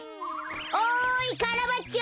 おいカラバッチョ！